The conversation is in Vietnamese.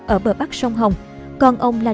ở bờ bắc sông hồng còn ông là